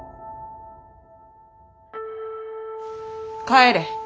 帰れ。